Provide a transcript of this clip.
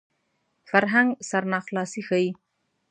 فرهنګ سرناخلاصي ښيي